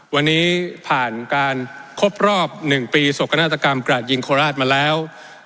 วันนี้ผ่านการครบรอบ๑ปีโศกนาฏกรรมกระดยิงโคราชมาแล้ว